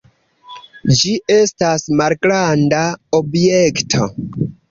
Ĝi estas malgranda objekto.